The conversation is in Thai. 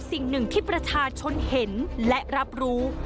สิ่งหนึ่งที่ประชาชนเห็นและรับรู้